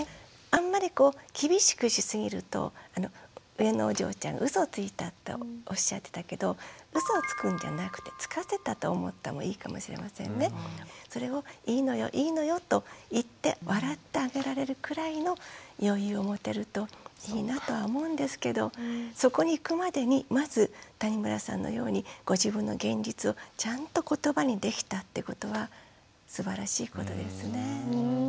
あんまりこう厳しくしすぎると上のお嬢ちゃんうそをついたっておっしゃってたけどそれを「いいのよいいのよ」と言って笑ってあげられるくらいの余裕を持てるといいなとは思うんですけどそこにいくまでにまず谷村さんのようにご自分の現実をちゃんと言葉にできたってことはすばらしいことですね。